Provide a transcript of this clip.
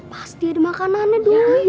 pasti ada makanannya dwi